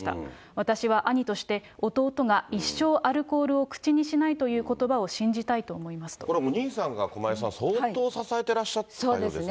私は兄として、弟が一生アルコールを口にしないということばを信じたいと思いまこれはお兄さんが、駒井さん、相当支えてらっしゃったみたいですね。